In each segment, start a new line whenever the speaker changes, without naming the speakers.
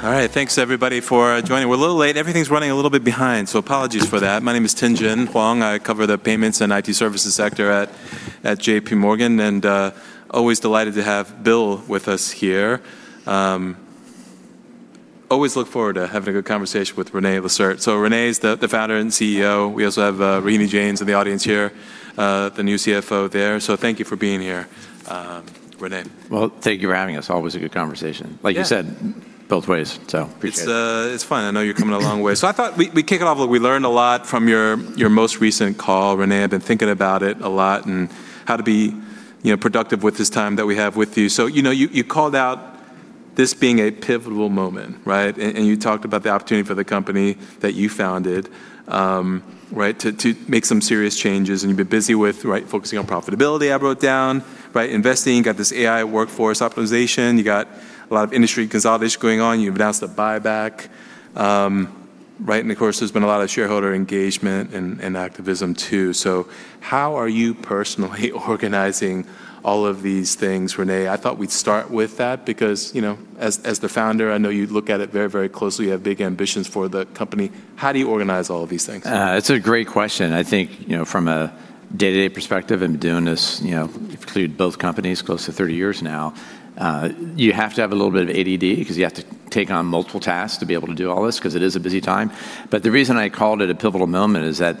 All right, thanks everybody for joining. We're a little late. Everything's running a little bit behind, so apologies for that. My name is Tien-tsin Huang. I cover the payments and IT services sector at J.P. Morgan, always delighted to have BILL with us here. Always look forward to having a good conversation with René Lacerte. René is the founder and CEO. We also have Rohini Jain in the audience here, the new CFO there. Thank you for being here, René.
Well, thank you for having us. Always a good conversation.
Yeah.
Like you said, both ways, so appreciate it.
It's, it's fun. I know you're coming a long way. I thought we'd kick it off with we learned a lot from your most recent call, René. I've been thinking about it a lot and how to be, you know, productive with this time that we have with you. You know, you called out this being a pivotal moment, right? And you talked about the opportunity for the company that you founded, right, to make some serious changes, and you've been busy with, right, focusing on profitability, I wrote down, right, investing. You got this AI workforce optimization. You got a lot of industry consolidation going on. You've announced a buyback, right? Of course, there's been a lot of shareholder engagement and activism too. How are you personally organizing all of these things, René? I thought we'd start with that because, you know, as the founder, I know you look at it very, very closely. You have big ambitions for the company. How do you organize all of these things?
It's a great question. I think, you know, from a day-to-day perspective, I've been doing this, you know, if you include both companies, close to 30 years now. You have to have a little bit of ADD because you have to take on multiple tasks to be able to do all this because it is a busy time. The reason I called it a pivotal moment is that,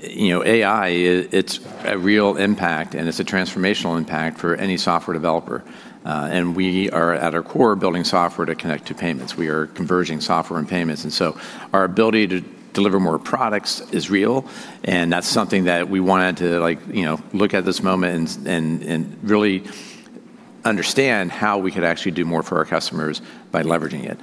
you know, AI, it's a real impact, and it's a transformational impact for any software developer. And we are at our core building software to connect to payments. We are converging software and payments, and so our ability to deliver more products is real, and that's something that we wanted to like, you know, look at this moment and really understand how we could actually do more for our customers by leveraging it.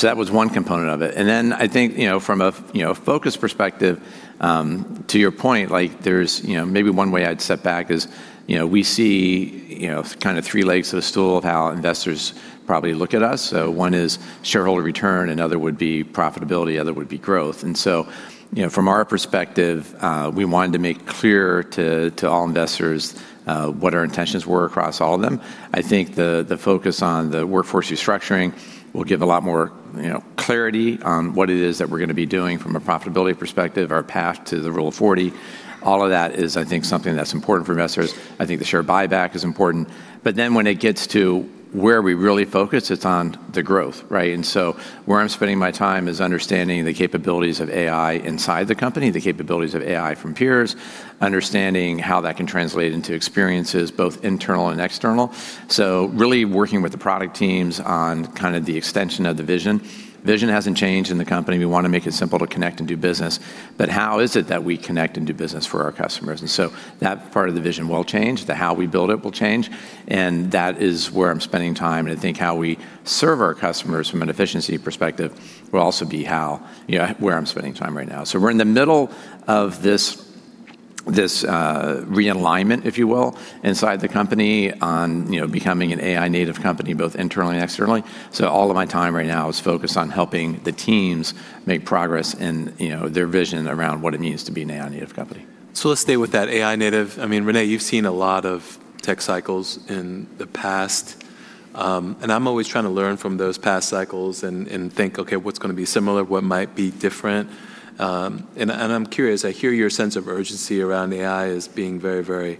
That was one component of it. I think, you know, from a focus perspective, to your point, like there's, you know, maybe one way I'd step back is, you know, we see, you know, kind of three legs of a stool of how investors probably look at us. One is shareholder return. Another would be profitability. Other would be growth. You know, from our perspective, we wanted to make clear to all investors what our intentions were across all of them. I think the focus on the workforce restructuring will give a lot more, you know, clarity on what it is that we're going to be doing from a profitability perspective, our path to the Rule of 40. All of that is I think something that's important for investors. I think the share buyback is important. When it gets to where we really focus, it's on the growth, right? Where I'm spending my time is understanding the capabilities of AI inside the company, the capabilities of AI from peers, understanding how that can translate into experiences both internal and external. Really working with the product teams on kind of the extension of the vision. Vision hasn't changed in the company. We wanna make it simple to connect and do business, but how is it that we connect and do business for our customers? That part of the vision will change. The how we build it will change, and that is where I'm spending time. I think how we serve our customers from an efficiency perspective will also be how, you know, where I'm spending time right now. We're in the middle of this realignment, if you will, inside the company on, you know, becoming an AI-native company both internally and externally. All of my time right now is focused on helping the teams make progress in, you know, their vision around what it means to be an AI-native company.
Let's stay with that AI-native. I mean, René, you've seen a lot of tech cycles in the past, and I'm always trying to learn from those past cycles and think, "Okay, what's going to be similar? What might be different?" I'm curious. I hear your sense of urgency around AI as being very, very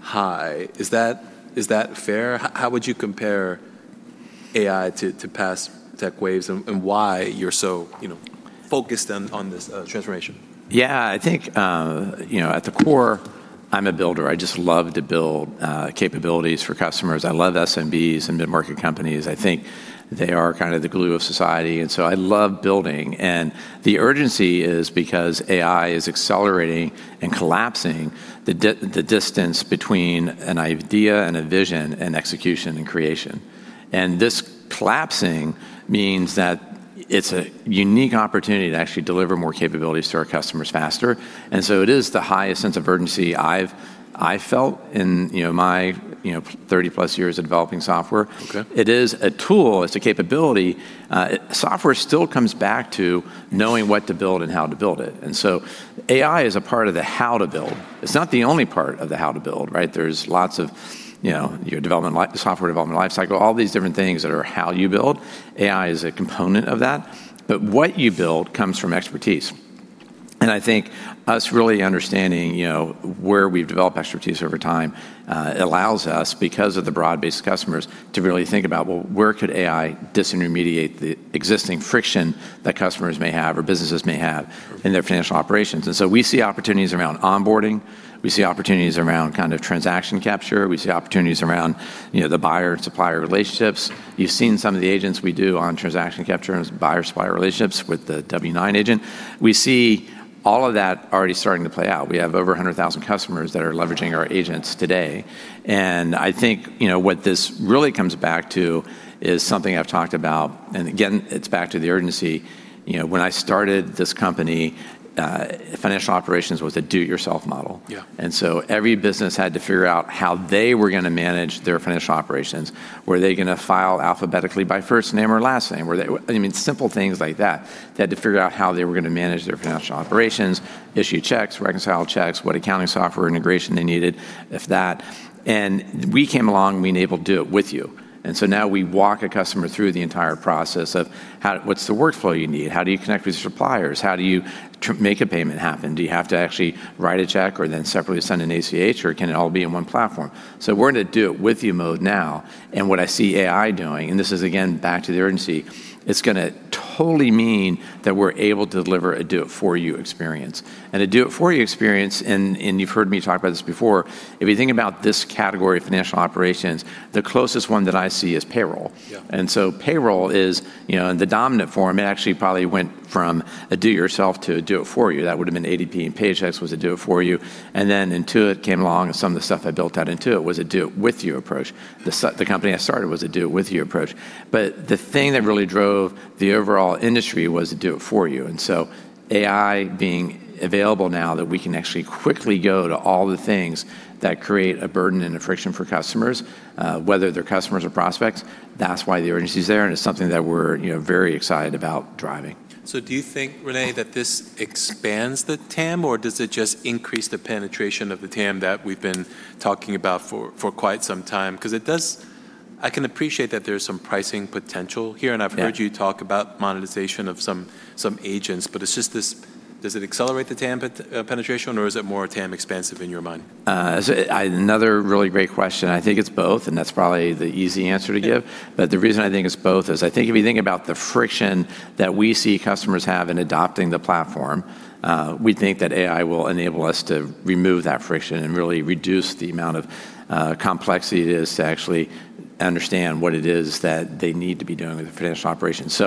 high. Is that fair? How would you compare AI to past tech waves and why you're so, you know, focused on this transformation?
Yeah. I think, you know, at the core, I'm a builder. I just love to build capabilities for customers. I love SMBs and mid-market companies. I think they are kind of the glue of society. I love building. The urgency is because AI is accelerating and collapsing the distance between an idea and a vision and execution and creation. This collapsing means that it's a unique opportunity to actually deliver more capabilities to our customers faster. It is the highest sense of urgency I've felt in, you know, my, you know, 30+ years of developing software.
Okay.
It is a tool. It's a capability. Software still comes back to knowing what to build and how to build it. AI is a part of the how to build. It's not the only part of the how to build, right? There's lots of, you know, your software development life cycle, all these different things that are how you build. AI is a component of that. What you build comes from expertise. And I think us really understanding, you know, where we've developed expertise over time, allows us, because of the broad-based customers, to really think about, well, where could AI disintermediate the existing friction that customers may have or businesses may have in their financial operations? We see opportunities around onboarding, we see opportunities around kind of transaction capture, we see opportunities around, you know, the buyer-supplier relationships. You've seen some of the agents we do on transaction capture and buyer-supplier relationships with the W-9 automation. We see all of that already starting to play out. We have over 100,000 customers that are leveraging our agents today. I think, you know, what this really comes back to is something I've talked about, and again, it's back to the urgency. You know, when I started this company, financial operations was a do-it-yourself model.
Yeah.
Every business had to figure out how they were gonna manage their financial operations. Were they gonna file alphabetically by first name or last name? I mean, simple things like that. They had to figure out how they were gonna manage their financial operations, issue checks, reconcile checks, what accounting software integration they needed, if that. We came along, and we enabled do it with you. Now we walk a customer through the entire process of how, what's the workflow you need? How do you connect with suppliers? How do you make a payment happen? Do you have to actually write a check or then separately send an ACH, or can it all be in one platform? We're in a do-it-with-you mode now, and what I see AI doing, and this is again back to the urgency, it's gonna totally mean that we're able to deliver a do-it-for-you experience. And a do-it-for-you experience, and you've heard me talk about this before, if you think about this category of financial operations, the closest one that I see is payroll.
Yeah.
Payroll is, you know, in the dominant form, it actually probably went from a do it yourself to a do it for you. That would've been ADP and Paychex was a do it for you. Intuit came along, and some of the stuff I built at Intuit was a do-it-with-you approach. The company I started was a do-it-with-you approach. The thing that really drove the overall industry was the do it for you. AI being available now that we can actually quickly go to all the things that create a burden and a friction for customers, whether they're customers or prospects, that's why the urgency is there, and it's something that we're, you know, very excited about driving.
Do you think, René, that this expands the TAM, or does it just increase the penetration of the TAM that we've been talking about for quite some time? 'Cause I can appreciate that there's some pricing potential here.
Yeah.
I've heard you talk about monetization of some agents, but it's just this, does it accelerate the TAM penetration, or is it more TAM expansive in your mind?
I, another really great question. I think it's both, and that's probably the easy answer to give. The reason I think it's both is I think if you think about the friction that we see customers have in adopting the platform, we think that AI will enable us to remove that friction and really reduce the amount of complexity it is to actually understand what it is that they need to be doing with their financial operations.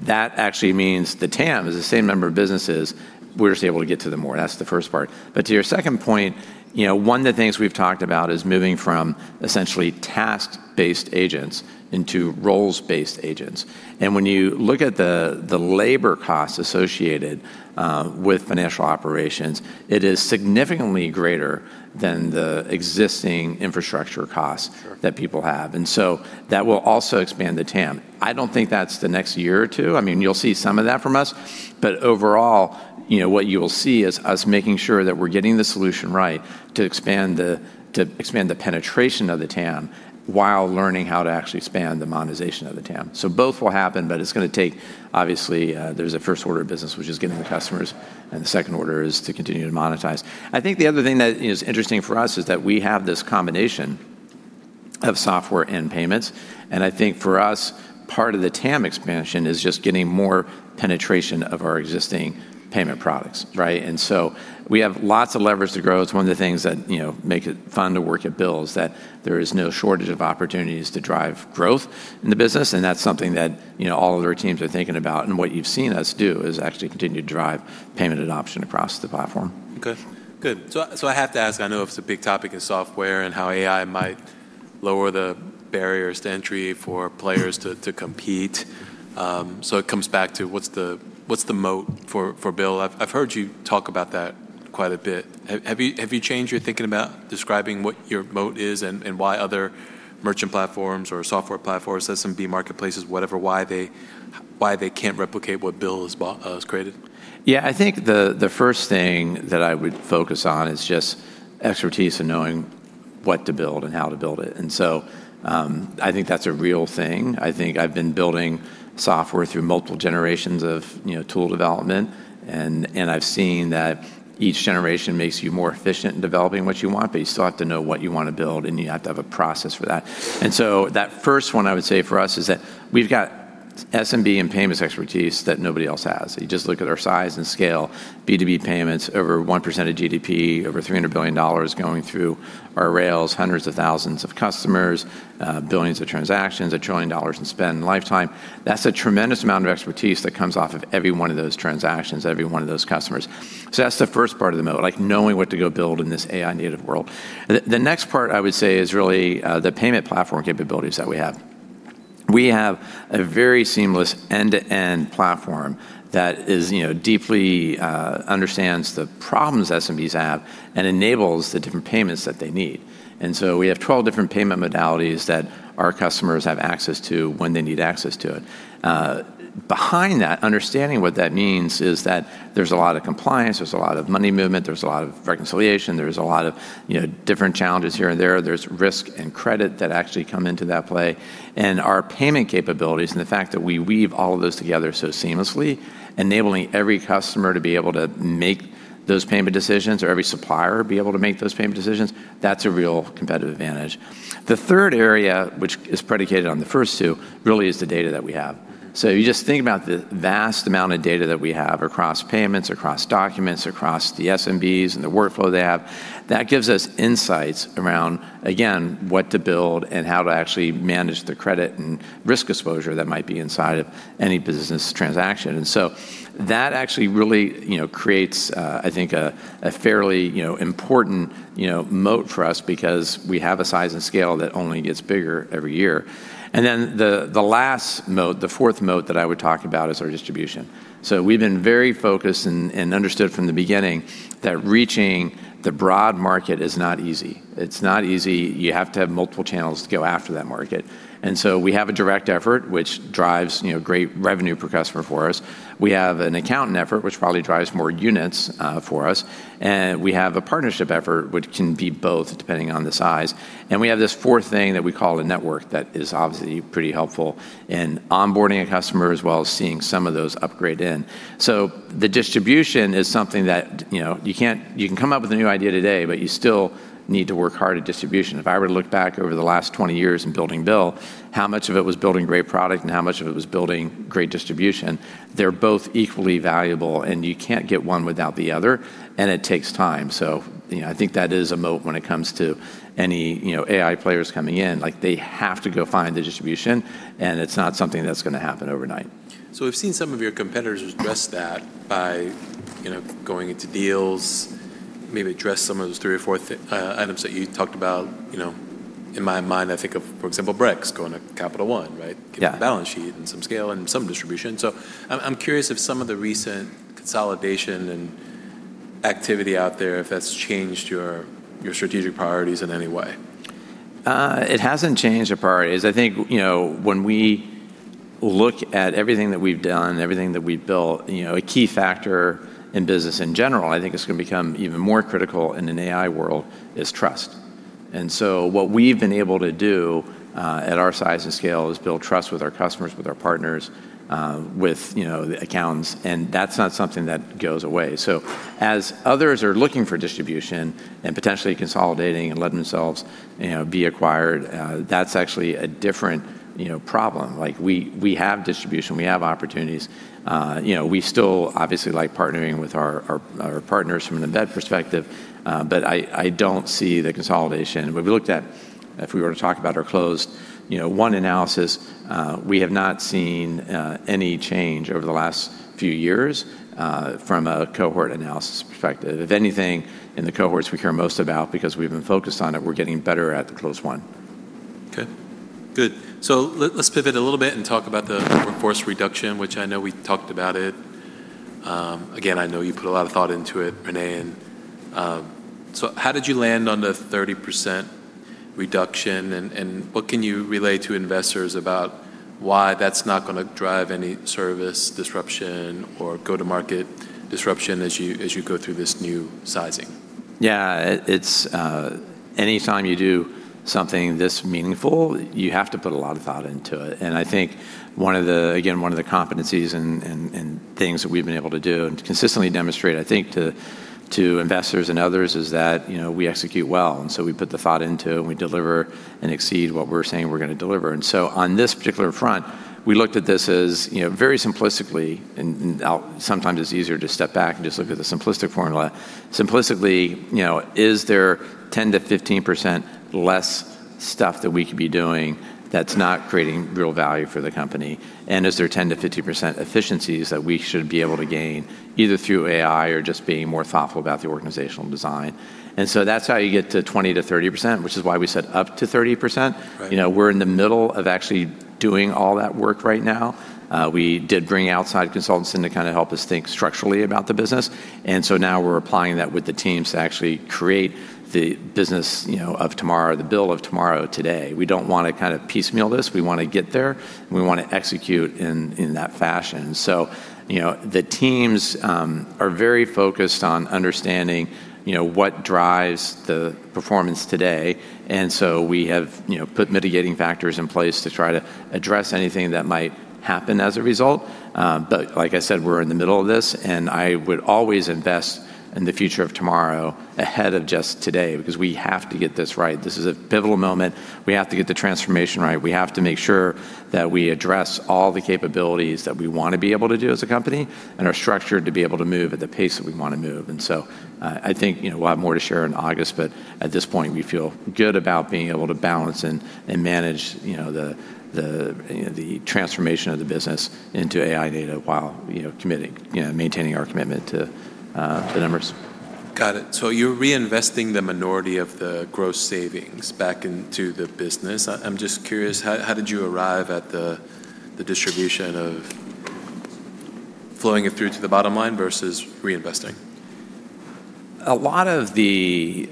That actually means the TAM is the same number of businesses, we're just able to get to them more. That's the first part. To your second point, you know, one of the things we've talked about is moving from essentially task-based agents into roles-based agents. When you look at the labor costs associated with financial operations, it is significantly greater than the existing infrastructure costs.
Sure
that people have. That will also expand the TAM. I don't think that's the next year or two. I mean, you'll see some of that from us. Overall, you know, what you'll see is us making sure that we're getting the solution right to expand the, to expand the penetration of the TAM while learning how to actually expand the monetization of the TAM. Both will happen, but it's gonna take, obviously, there's a first order of business, which is getting the customers, and the second order is to continue to monetize. I think the other thing that is interesting for us is that we have this combination of software and payments. I think for us, part of the TAM expansion is just getting more penetration of our existing payment products, right? We have lots of levers to grow. It's one of the things that, you know, make it fun to work at BILL is that there is no shortage of opportunities to drive growth in the business, and that's something that, you know, all of our teams are thinking about. What you've seen us do is actually continue to drive payment adoption across the platform.
Good. I have to ask, I know it's a big topic in software and how AI might lower the barriers to entry for players to compete, it comes back to what's the moat for BILL? I've heard you talk about that quite a bit. Have you changed your thinking about describing what your moat is and why other merchant platforms or software platforms, SMB marketplaces, whatever, why they can't replicate what BILL has created?
Yeah. I think the first thing that I would focus on is just expertise in knowing what to build and how to build it. I think that's a real thing. I think I've been building software through multiple generations of, you know, tool development, and I've seen that each generation makes you more efficient in developing what you want, but you still have to know what you wanna build, and you have to have a process for that. That first one I would say for us is that we've got SMB and payments expertise that nobody else has. You just look at our size and scale, B2B payments, over 1% of GDP, over $300 billion going through our rails, hundreds of thousands of customers, billions of transactions, $1 trillion in spend and lifetime. That's a tremendous amount of expertise that comes off of every one of those transactions, every one of those customers. That's the first part of the moat, like knowing what to go build in this AI-native world. The next part I would say is really the payment platform capabilities that we have. We have a very seamless end-to-end platform that is, you know, deeply understands the problems SMBs have and enables the different payments that they need. We have 12 different payment modalities that our customers have access to when they need access to it. Behind that, understanding what that means is that there's a lot of compliance, there's a lot of money movement, there's a lot of reconciliation, there's a lot of, you know, different challenges here and there. There's risk and credit that actually come into that play. Our payment capabilities and the fact that we weave all of those together so seamlessly, enabling every customer to be able to make those payment decisions or every supplier be able to make those payment decisions, that's a real competitive advantage. The third area, which is predicated on the first two, really is the data that we have. You just think about the vast amount of data that we have across payments, across documents, across the SMBs and the workflow they have, that gives us insights around, again, what to build and how to actually manage the credit and risk exposure that might be inside of any business transaction. That actually really, you know, creates, I think, a fairly, you know, important, you know, moat for us because we have a size and scale that only gets bigger every year. The last moat, the fourth moat that I would talk about is our distribution. We've been very focused and understood from the beginning that reaching the broad market is not easy. It's not easy. You have to have multiple channels to go after that market. We have a direct effort which drives, you know, great revenue per customer for us. We have an accountant effort which probably drives more units for us, and we have a partnership effort which can be both depending on the size. We have this fourth thing that we call a network that is obviously pretty helpful in onboarding a customer as well as seeing some of those upgrade in. The distribution is something that, you know, you can come up with a new idea today, but you still need to work hard at distribution. If I were to look back over the last 20 years in building BILL, how much of it was building great product and how much of it was building great distribution? They're both equally valuable, and you can't get one without the other, and it takes time. You know, I think that is a moat when it comes to any, you know, AI players coming in. They have to go find the distribution, and it's not something that's gonna happen overnight.
We've seen some of your competitors address that by, you know, going into deals, maybe address some of those three or four items that you talked about. You know, in my mind, I think of, for example, Brex going to Capital One, right?
Yeah.
Getting a balance sheet and some scale and some distribution. I'm curious if some of the recent consolidation and activity out there, if that's changed your strategic priorities in any way.
It hasn't changed our priorities. I think, you know, when we look at everything that we've done, everything that we've built, you know, a key factor in business in general, I think it's gonna become even more critical in an AI world, is trust. What we've been able to do, at our size and scale is build trust with our customers, with our partners, with, you know, the accountants, and that's not something that goes away. As others are looking for distribution and potentially consolidating and letting themselves, you know, be acquired, that's actually a different, you know, problem. Like, we have distribution, we have opportunities. You know, we still obviously like partnering with our partners from an embed perspective, I don't see the consolidation. When we looked at if we were to talk about our closed-won, you know, analysis, we have not seen any change over the last few years, from a cohort analysis perspective. If anything, in the cohorts we care most about because we've been focused on it, we're getting better at the closed-won.
Okay. Good. Let's pivot a little bit and talk about the workforce reduction, which I know we talked about it. Again, I know you put a lot of thought into it, René. How did you land on the 30% reduction? What can you relay to investors about why that's not gonna drive any service disruption or go-to-market disruption as you go through this new sizing?
Yeah. It's Anytime you do something this meaningful, you have to put a lot of thought into it. I think one of the, again, one of the competencies and things that we've been able to do and to consistently demonstrate, I think, to investors and others is that, you know, we execute well. We put the thought into it, and we deliver and exceed what we're saying we're gonna deliver. On this particular front, we looked at this as, you know, very simplistically, and sometimes it's easier to step back and just look at the simplistic formula. Simplistically, you know, is there 10% - 15% less stuff that we could be doing that's not creating real value for the company? Is there 10%-50% efficiencies that we should be able to gain either through AI or just being more thoughtful about the organizational design? That's how you get to 20%-30%, which is why we said up to 30%.
Right.
You know, we're in the middle of actually doing all that work right now. We did bring outside consultants in to kind of help us think structurally about the business. Now we're applying that with the teams to actually create the business, you know, of tomorrow, the BILL of tomorrow, today. We don't wanna kind of piecemeal this. We wanna get there, and we wanna execute in that fashion. You know, the teams are very focused on understanding, you know, what drives the performance today. We have, you know, put mitigating factors in place to try to address anything that might happen as a result. Like I said, we're in the middle of this, and I would always invest in the future of tomorrow ahead of just today because we have to get this right. This is a pivotal moment. We have to get the transformation right. We have to make sure that we address all the capabilities that we wanna be able to do as a company and are structured to be able to move at the pace that we wanna move. I think, you know, we'll have more to share in August, but at this point, we feel good about being able to balance and manage, you know, the, you know, the transformation of the business into AI data while, you know, committing, you know, maintaining our commitment to the numbers.
Got it. You're reinvesting the minority of the gross savings back into the business. I'm just curious, how did you arrive at the distribution of flowing it through to the bottom line versus reinvesting?
A lot of the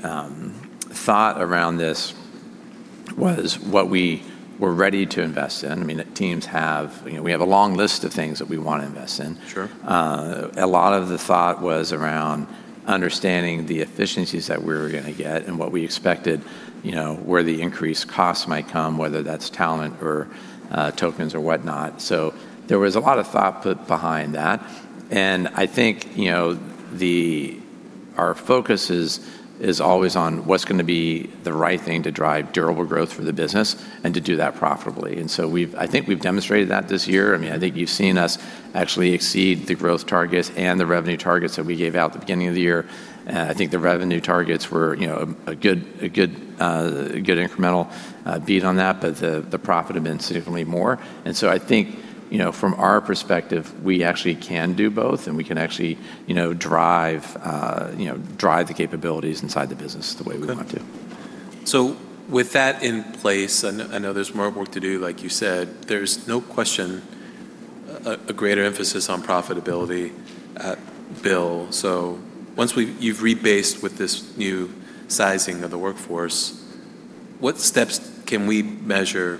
thought around this was what we were ready to invest in. I mean, the teams have, you know, we have a long list of things that we want to invest in.
Sure.
A lot of the thought was around understanding the efficiencies that we were gonna get and what we expected, you know, where the increased cost might come, whether that's talent or tokens or whatnot. There was a lot of thought put behind that, and I think, you know, our focus is always on what's gonna be the right thing to drive durable growth for the business and to do that profitably. We've demonstrated that this year. I mean, I think you've seen us actually exceed the growth targets and the revenue targets that we gave out at the beginning of the year. I think the revenue targets were, you know, a good incremental beat on that, but the profit have been significantly more. I think, you know, from our perspective, we actually can do both, and we can actually, you know, drive the capabilities inside the business the way we want to.
With that in place, I know there's more work to do, like you said. There's no question a greater emphasis on profitability at BILL. Once you've rebased with this new sizing of the workforce, what steps can we measure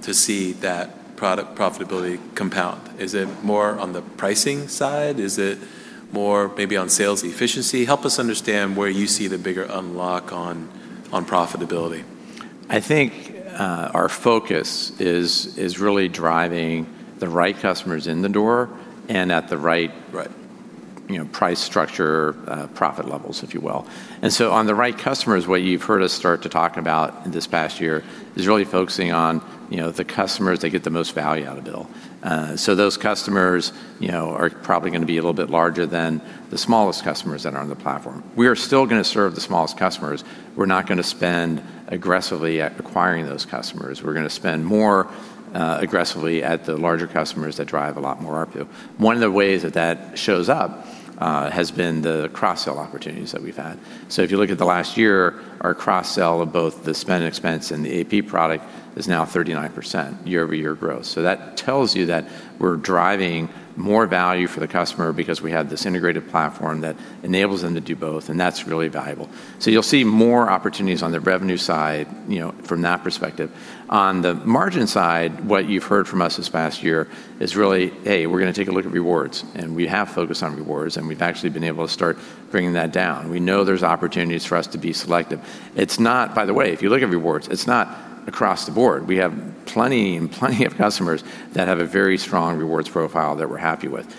to see that product profitability compound? Is it more on the pricing side? Is it more maybe on sales efficiency? Help us understand where you see the bigger unlock on profitability.
I think, our focus is really driving the right customers in the door.
Right
You know, price structure, profit levels, if you will. On the right customers, what you've heard us start to talk about this past year is really focusing on, you know, the customers that get the most value out of BILL. So those customers, you know, are probably gonna be a little bit larger than the smallest customers that are on the platform. We are still gonna serve the smallest customers. We're not gonna spend aggressively at acquiring those customers. We're gonna spend more aggressively at the larger customers that drive a lot more ARPU. One of the ways that that shows up has been the cross-sell opportunities that we've had. If you look at the last year, our cross-sell of both the Spend & Expense and the AP product is now 39% year-over-year growth. That tells you that we're driving more value for the customer because we have this integrated platform that enables them to do both, and that's really valuable. You'll see more opportunities on the revenue side, you know, from that perspective. On the margin side, what you've heard from us this past year is really, "Hey, we're gonna take a look at rewards." We have focused on rewards, and we've actually been able to start bringing that down. We know there's opportunities for us to be selective. It's not. By the way, if you look at rewards, it's not across the board. We have plenty and plenty of customers that have a very strong rewards profile that we're happy with.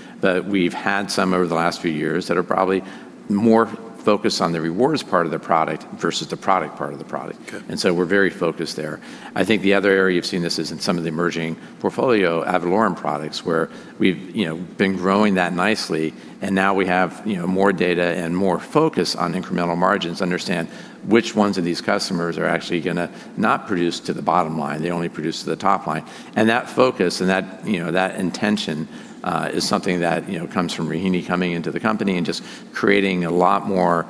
We've had some over the last few years that are probably more focused on the rewards part of the product versus the product part of the product.
Okay.
We're very focused there. I think the other area you've seen this is in some of the emerging portfolio ad valorem products, where we've, you know, been growing that nicely, and now we have, you know, more data and more focus on incremental margins to understand which ones of these customers are actually gonna not produce to the bottom line, they only produce to the top line. That focus and that, you know, that intention, is something that, you know, comes from Rohini coming into the company and just creating a lot more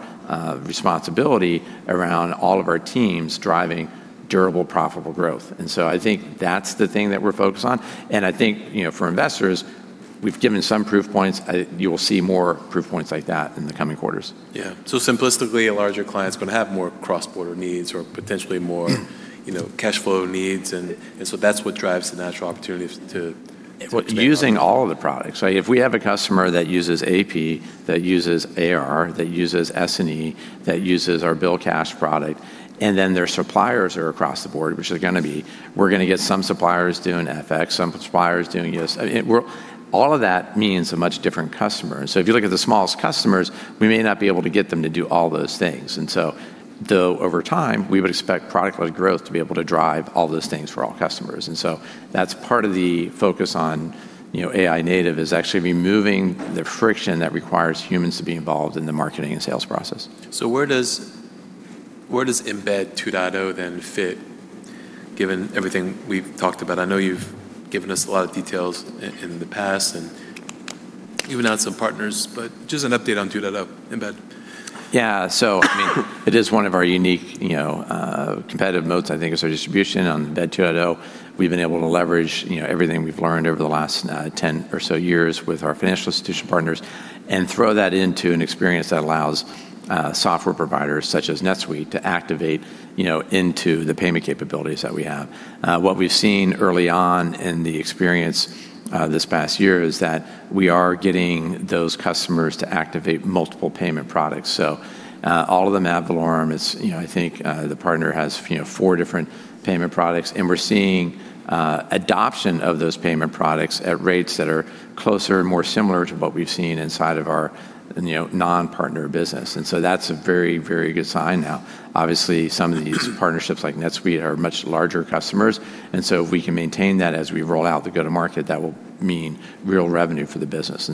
responsibility around all of our teams driving durable, profitable growth. I think that's the thing that we're focused on, and I think, you know, for investors, we've given some proof points. You will see more proof points like that in the coming quarters.
Yeah. Simplistically, a larger client's gonna have more cross-border needs or potentially you know, cash flow needs, and so that's what drives the natural opportunities to.
Well, using all of the products, right? If we have a customer that uses AP, that uses AR, that uses S&E, that uses our BILL Cash product, and then their suppliers are across the board, which they're gonna be, we're gonna get some suppliers doing FX, some suppliers doing this. I mean, all of that means a much different customer. If you look at the smallest customers, we may not be able to get them to do all those things. Though, over time, we would expect product-led growth to be able to drive all those things for all customers. That's part of the focus on, you know, AI-native, is actually removing the friction that requires humans to be involved in the marketing and sales process.
Where does Embed 2.0 then fit given everything we've talked about? I know you've given us a lot of details in the past, and you've announced some partners, but just an update on Embed 2.0.
Yeah. I mean, it is one of our unique, you know, competitive modes, I think, is our distribution on Embed 2.0. We've been able to leverage, you know, everything we've learned over the last 10 or so years with our financial institution partners and throw that into an experience that allows software providers such as NetSuite to activate, you know, into the payment capabilities that we have. What we've seen early on in the experience this past year is that we are getting those customers to activate multiple payment products. All of them ad valorem. You know, I think, the partner has, you know, four different payment products, and we're seeing adoption of those payment products at rates that are closer and more similar to what we've seen inside of our, you know, non-partner business. That's a very, very good sign now. Obviously, some of these partnerships like NetSuite are much larger customers, if we can maintain that as we roll out the go-to-market, that will mean real revenue for the business.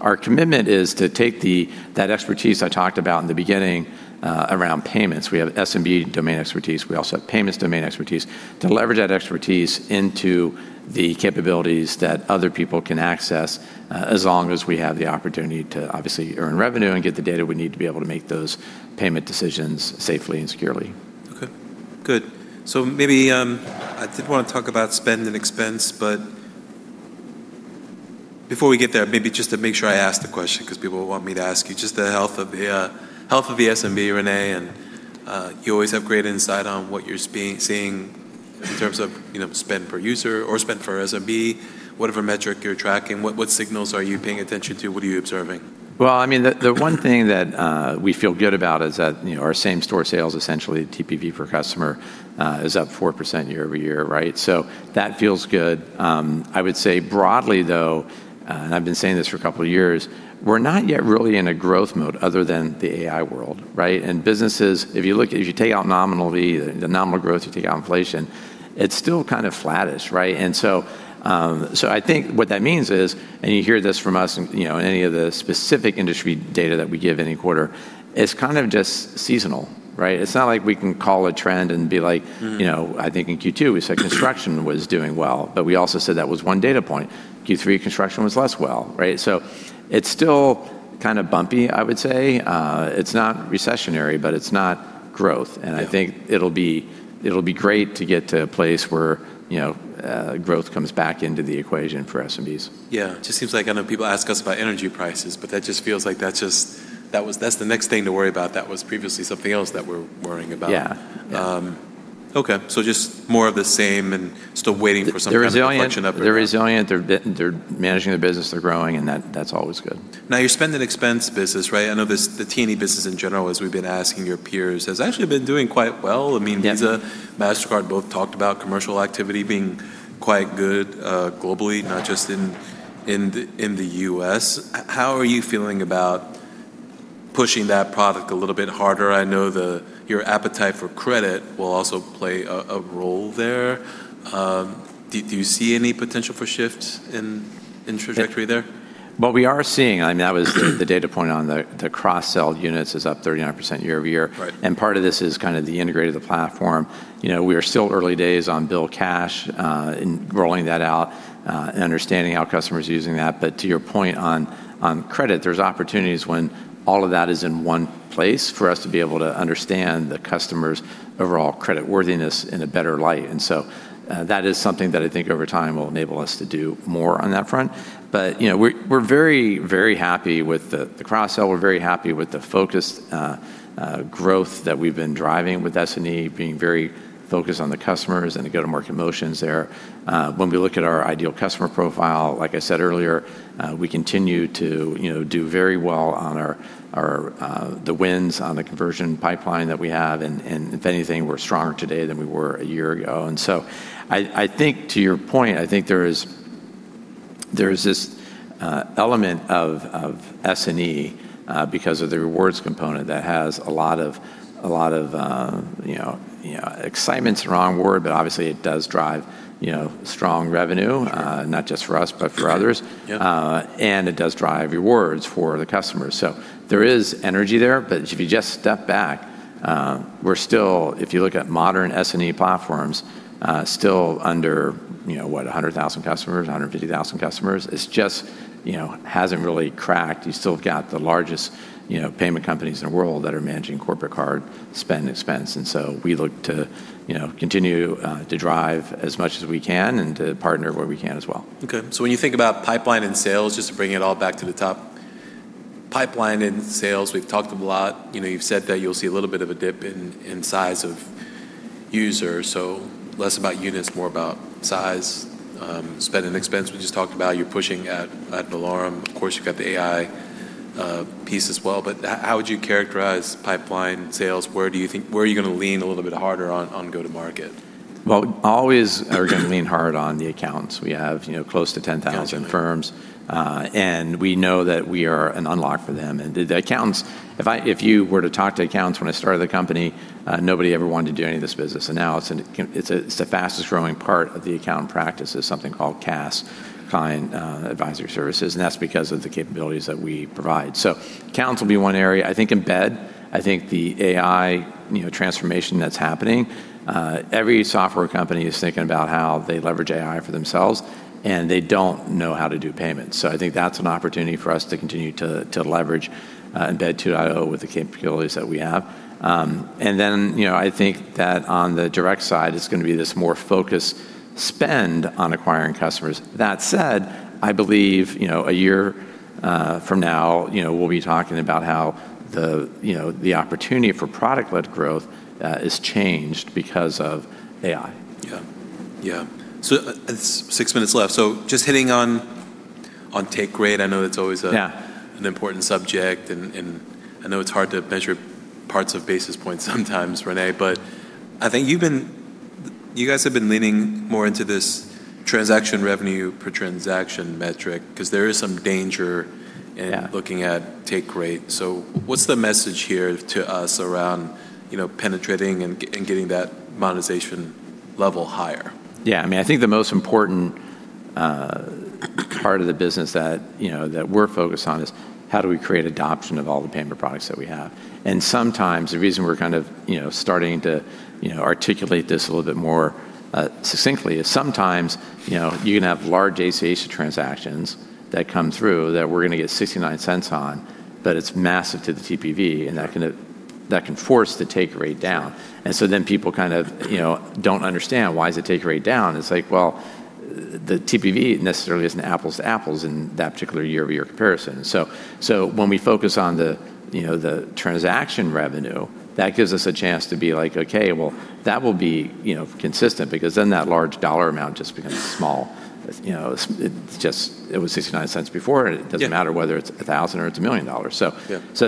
Our commitment is to take the, that expertise I talked about in the beginning, around payments, we have SMB domain expertise, we also have payments domain expertise, to leverage that expertise into the capabilities that other people can access, as long as we have the opportunity to obviously earn revenue and get the data we need to be able to make those payment decisions safely and securely.
Good. Maybe, I did want to talk about Spend & Expense, but before we get there, maybe just to make sure I ask the question, 'cause people will want me to ask you, just the health of the health of the SMB, René, and you always have great insight on what you're seeing in terms of, you know, spend per user or spend per SMB, whatever metric you're tracking. What signals are you paying attention to? What are you observing?
Well, I mean, the one thing that we feel good about is that, you know, our same store sales, essentially TPV per customer, is up 4% year-over-year, right? That feels good. I would say broadly though, and I've been saying this for a couple years, we're not yet really in a growth mode other than the AI world, right? Businesses, if you look, if you take out nominally the nominal growth, you take out inflation, it's still kind of flattish, right? I think what that means is, and you hear this from us in, you know, any of the specific industry data that we give any quarter, it's kind of just seasonal, right? It's not like we can call a trend and be like you know, I think in Q2 we said construction was doing well, but we also said that was 1 data point. Q3 construction was less well, right? It's still kind of bumpy, I would say. It's not recessionary, but it's not growth.
Yeah.
I think it'll be great to get to a place where, you know, growth comes back into the equation for SMBs.
Yeah. Just seems like, I know people ask us about energy prices, but that just feels like that's the next thing to worry about. That was previously something else that we're worrying about.
Yeah. Yeah.
Okay. Just more of the same and still waiting for some kind of inflection up or down.
They're resilient. They're managing their business, they're growing, and that's always good.
Your spend and expense business, right? I know this, the T&E business in general, as we've been asking your peers, has actually been doing quite well.
Yeah.
I mean, Visa, Mastercard both talked about commercial activity being quite good, globally, not just in the U.S. How are you feeling about pushing that product a little bit harder? I know your appetite for credit will also play a role there. Do you see any potential for shifts in trajectory there?
Well, we are seeing, I mean, that was the data point on the cross sell units is up 39% year-over-year.
Right.
Part of this is kind of the integrated platform. You know, we are still early days on BILL Cash in rolling that out and understanding how customers are using that. To your point on credit, there's opportunities when all of that is in one place for us to be able to understand the customer's overall credit worthiness in a better light. That is something that I think over time will enable us to do more on that front. You know, we're very, very happy with the cross sell. We're very happy with the focused growth that we've been driving with S&E, being very focused on the customers and the go-to-market motions there. When we look at our ideal customer profile, like I said earlier, we continue to, you know, do very well on our the wins on the conversion pipeline that we have. If anything, we're stronger today than we were a year ago. I think to your point, I think there is this element of S&E because of the rewards component that has a lot of, you know, excitement's the wrong word, but obviously it does drive, you know, strong revenue, not just for us, but for others.
Yeah.
It does drive rewards for the customers. There is energy there. If you just step back, we're still, if you look at modern S&E platforms, still under, you know, 100,000 customers, 150,000 customers. It's just, you know, hasn't really cracked. You still got the largest, you know, payment companies in the world that are managing corporate card Spend & Expense. We look to, you know, continue to drive as much as we can and to partner where we can as well.
When you think about pipeline and sales, just to bring it all back to the top, pipeline and sales, we've talked a lot. You know, you've said that you'll see a little bit of a dip in size of users, so less about units, more about size. Spend & Expense, we just talked about, you're pushing ad valorem. Of course, you've got the AI piece as well, how would you characterize pipeline sales? Where are you gonna lean a little bit harder on go-to-market?
Well, always are gonna lean hard on the accounts. We have, you know, close to 10,000 firms.
Gotcha.
We know that we are an unlock for them. The accountants, if you were to talk to accountants, when I started the company, nobody ever wanted to do any of this business. Now it's the fastest growing part of the accountant practice is something called CAS, client advisory services. That's because of the capabilities that we provide. Accounts will be one area, I think embed, I think the AI, you know, transformation that's happening. Every software company is thinking about how they leverage AI for themselves, and they don't know how to do payments. I think that's an opportunity for us to continue to leverage Embed 2.0 with the capabilities that we have. I think that on the direct side, it's gonna be this more focused spend on acquiring customers. That said, I believe, you know, a year from now, we'll be talking about how the, you know, the opportunity for product-led growth is changed because of AI.
Yeah. Yeah. Six minutes left. Just hitting on take rate.
Yeah.
I know it's always an important subject, and I know it's hard to measure parts of basis points sometimes, René, but I think you guys have been leaning more into this transaction revenue per transaction metric 'cause there is some danger in.
Yeah.
Looking at take rate. What's the message here to us around, you know, penetrating and getting that monetization level higher?
Yeah, I mean, I think the most important part of the business that, you know, that we're focused on is how do we create adoption of all the payment products that we have. Sometimes the reason we're kind of, you know, starting to, you know, articulate this a little bit more succinctly is sometimes, you know, you can have large ACH transactions that come through that we're gonna get $0.69 on, but it's massive to the TPV, and that can force the take rate down. People kind of, you know, don't understand why is the take rate down. It's like, well-The TPV necessarily isn't apples to apples in that particular year-over-year comparison. When we focus on the, you know, the transaction revenue, that gives us a chance to be like, okay, well, that will be, you know, consistent because then that large dollar amount just becomes small. You know, it's just, it was $0.69 before.
Yeah
It doesn't matter whether it's $1,000 or it's $1 million.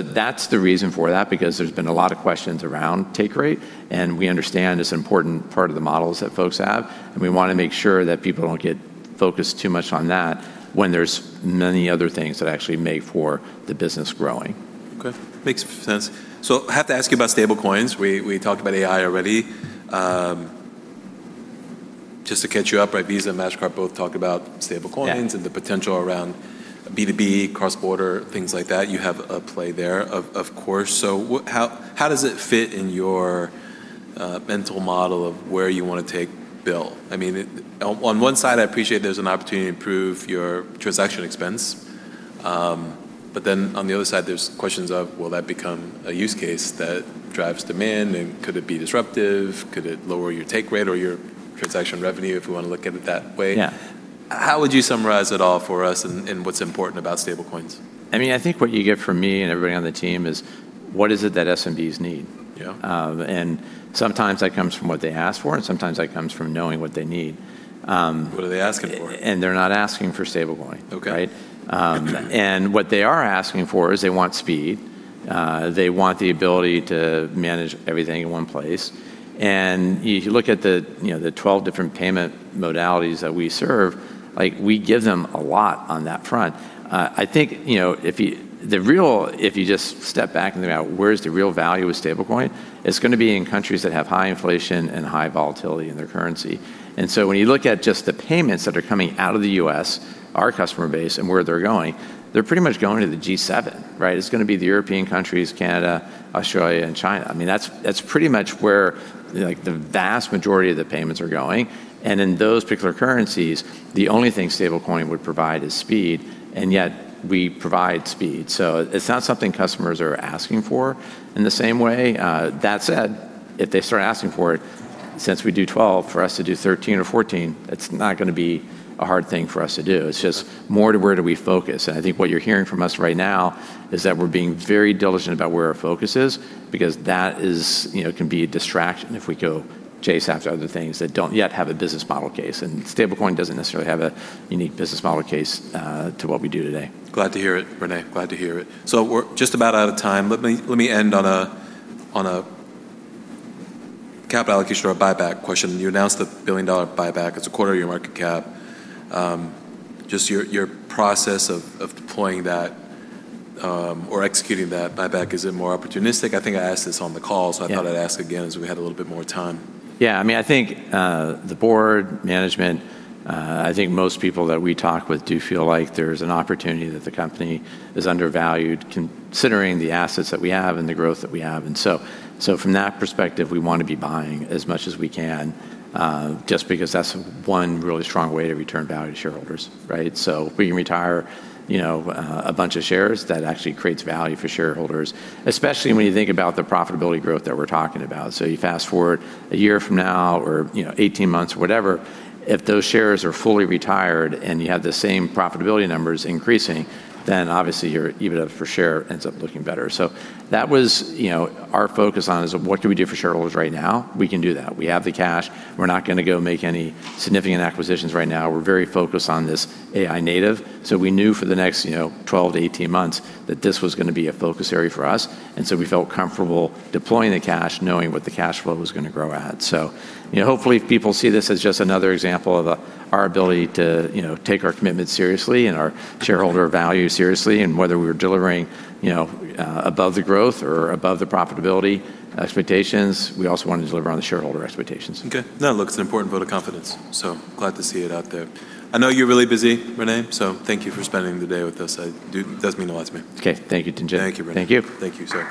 Yeah
That's the reason for that, because there's been a lot of questions around take rate, and we understand it's an important part of the models that folks have, and we wanna make sure that people don't get focused too much on that when there's many other things that actually make for the business growing.
Okay. Makes sense. I have to ask you about stablecoins. We talked about AI already. Just to catch you up, right, Visa and Mastercard both talked about stablecoins.
Yeah.
and the potential around B2B, cross-border, things like that. You have a play there, of course. What, how does it fit in your mental model of where you wanna take BILL? I mean, on one side, I appreciate there's an opportunity to improve your transaction expense, but then on the other side, there's questions of will that become a use case that drives demand? Could it be disruptive? Could it lower your take rate or your transaction revenue, if we wanna look at it that way?
Yeah.
How would you summarize it all for us and what's important about stablecoins?
I mean, I think what you get from me and everybody on the team is what is it that SMBs need?
Yeah.
Sometimes that comes from what they ask for, and sometimes that comes from knowing what they need.
What are they asking for?
They're not asking for stablecoin.
Okay.
Right? What they are asking for is they want speed. They want the ability to manage everything in one place. If you look at the, you know, the 12 different payment modalities that we serve, like, we give them a lot on that front. I think, you know, if you just step back and think about where is the real value with stablecoin, it's gonna be in countries that have high inflation and high volatility in their currency. When you look at just the payments that are coming out of the U.S., our customer base, and where they're going, they're pretty much going to the G7, right? It's gonna be the European countries, Canada, Australia, and China. I mean, that's pretty much where, like, the vast majority of the payments are going. In those particular currencies, the only thing stablecoin would provide is speed, and yet we provide speed. That said, if they start asking for it, since we do 12, for us to do 13 or 14, it's not gonna be a hard thing for us to do. It's just more to where do we focus. I think what you're hearing from us right now is that we're being very diligent about where our focus is because that is, you know, can be a distraction if we go chase after other things that don't yet have a business model case. Stablecoin doesn't necessarily have a unique business model case to what we do today.
Glad to hear it, René. Glad to hear it. We're just about out of time. Let me end on a capital allocation or a buyback question. You announced the billion-dollar buyback. It's a quarter of your market cap. Just your process of deploying that or executing that buyback. Is it more opportunistic? I think I asked this on the call.
Yeah
I thought I'd ask again as we had a little bit more time.
Yeah, I mean, I think the board, management, I think most people that we talk with do feel like there's an opportunity that the company is undervalued considering the assets that we have and the growth that we have. From that perspective, we wanna be buying as much as we can, just because that's one really strong way to return value to shareholders, right? We can retire, you know, a bunch of shares. That actually creates value for shareholders, especially when you think about the profitability growth that we're talking about. You fast-forward a year from now or, you know, 18 months, whatever, if those shares are fully retired and you have the same profitability numbers increasing, then obviously your EBITDA for share ends up looking better. That was, you know, our focus on is what can we do for shareholders right now? We can do that. We have the cash. We're not gonna go make any significant acquisitions right now. We're very focused on this AI-native. We knew for the next, you know, 12-18 months that this was gonna be a focus area for us, we felt comfortable deploying the cash knowing what the cash flow was gonna grow at. You know, hopefully people see this as just another example of our ability to, you know, take our commitment seriously and our shareholder value seriously, whether we're delivering, you know, above the growth or above the profitability expectations, we also want to deliver on the shareholder expectations.
Okay. No, look, it's an important vote of confidence. Glad to see it out there. I know you're really busy, René. Thank you for spending the day with us. It does mean a lot to me.
Okay. Thank you, Tien-tsin Huang.
Thank you, René.
Thank you.
Thank you, sir.